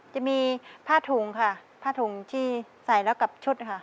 จะมีผ้าถุงค่ะผ้าถุงที่ใส่แล้วกับชุดค่ะ